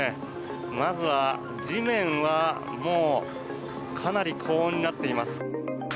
まずは地面はもうかなり高温になっています。